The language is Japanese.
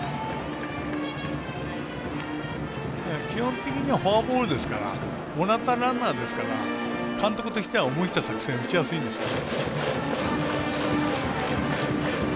基本的にはフォアボールですからもらったランナーですから監督としたら思い切った作戦打ちやすいですね。